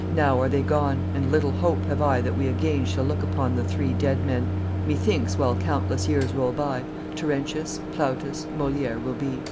Now are they gone: and little hope have I That we again shall look upon the three Dead men, methinks, while countless years roll by, Terentius, Plautus, Moliere will be."